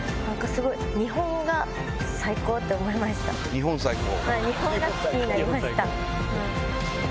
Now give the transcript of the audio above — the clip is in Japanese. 日本最高！